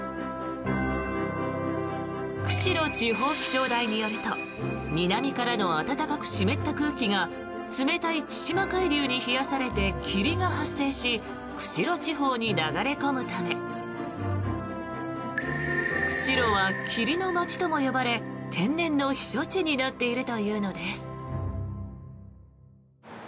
釧路地方気象台によると南からの暖かく湿った空気が冷たい千島海流に冷やされて霧が発生し釧路地方に流れ込むため釧路は霧の街とも呼ばれ天然の避暑地になっているというのです。